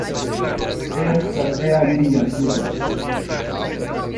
Essa é a minha vida.